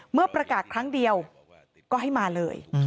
เมื่อประกาศครั้งเดียวก็ให้มาเลย